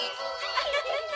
アハハハ！